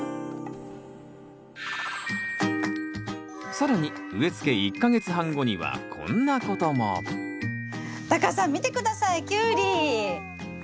更に植え付け１か月半後にはこんなこともタカさん見て下さいキュウリ！わ！